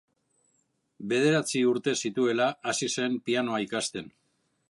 Bederatzi urte zituela hasi zen pianoa ikasten.